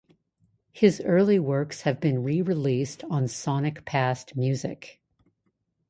His early works have been re-released on Sonic Past Music.